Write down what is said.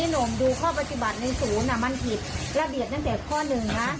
หนุ่มดูข้อปฏิบัติในศูนย์มันผิดระเบียบตั้งแต่ข้อหนึ่งนะ